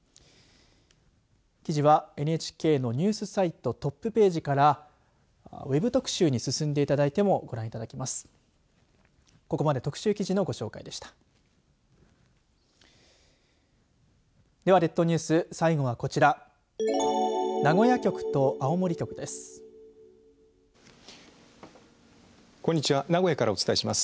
記事はＮＨＫのニュースサイトトップページからウェブ特集に進んでいただいてもご覧いただきます。